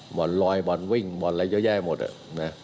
หมอนลอยหมอนวิ่งหมอนไล่เยอะแยะหมดอ่ะ